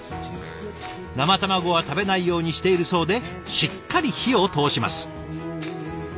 生卵は食べないようにしているそうでしっかり火を通します。